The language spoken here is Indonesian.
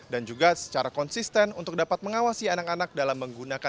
dan juga secara konsisten untuk dapat mengawasi anak anak dalam menggunakan